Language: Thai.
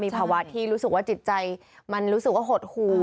ภาวะที่รู้สึกว่าจิตใจมันรู้สึกว่าหดหู